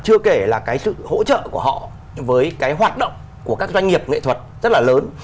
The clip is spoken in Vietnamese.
chưa kể là cái sự hỗ trợ của họ với cái hoạt động của các doanh nghiệp nghệ thuật rất là lớn